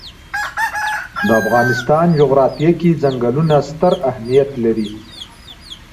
د افغانستان جغرافیه کې ځنګلونه ستر اهمیت لري.